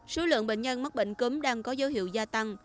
số lượng bệnh nhân mắc bệnh cúm đang có dấu hiệu gia tăng